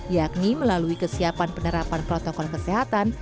yakni melalui kesiapan penerapan protokol kesehatan